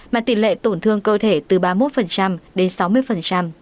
mà tỷ lệ tổn thương cơ thể từ ba mươi một đến sáu mươi